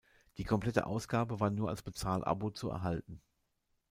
Die komplette Ausgabe war nur als Bezahl-Abo zu erhalten.